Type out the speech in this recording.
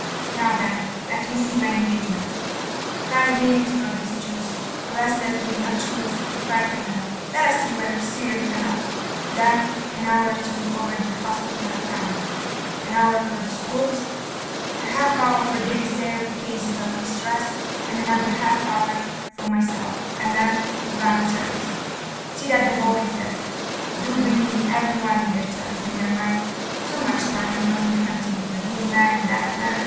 Now then, let me see my engagements; five minutes for these Jews Orestes did not choose to frighten them: let us see whether Cyril cannot; then an hour to look over the hospital accounts; an hour for the schools; a half hour for the reserved cases of distress; and another half hour for myself; and then divine service. See that the boy is there. Do bring in every one in their turn, Peter mine. So much time goes in hunting for this man and that man....